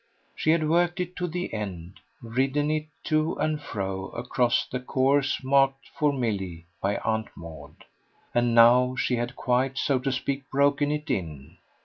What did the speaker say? She had worked it to the end, ridden it to and fro across the course marked for Milly by Aunt Maud, and now she had quite, so to speak, broken it in.